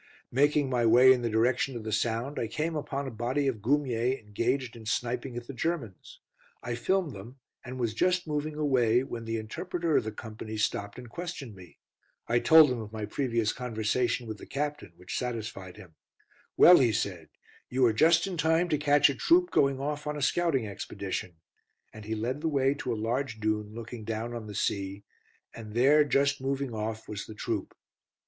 Making my way in the direction of the sound, I came upon a body of Goumiers engaged in sniping at the Germans. I filmed them, and was just moving away when the interpreter of the company stopped and questioned me. I told him of my previous conversation with the Captain, which satisfied him. "Well," he said, "you are just in time to catch a troop going off on a scouting expedition," and he led the way to a large dune looking down on the sea, and there just moving off was the troop.